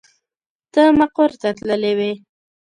ته مقر ته تللې وې.